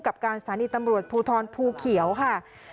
กับการสถานีตำรวจภูทรภูเขียวค่ะ